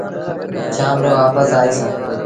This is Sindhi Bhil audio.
شآم رو وآپس آئيٚس